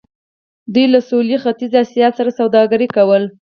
دوی له سویل ختیځې اسیا سره سوداګري کوله.